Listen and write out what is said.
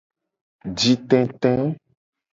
Jitete.